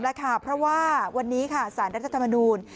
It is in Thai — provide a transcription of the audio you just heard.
เพราะว่าวันนี้สารรัฐธรรมนูญ